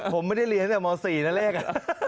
ผมไม่ได้เรียนตั้งแต่ม๔นะเลข